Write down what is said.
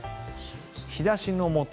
日差しのもと